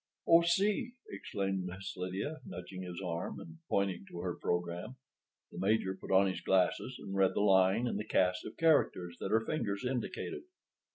"Oh, see!" exclaimed Miss Lydia, nudging his arm, and pointing to her program. The Major put on his glasses and read the line in the cast of characters that her fingers indicated.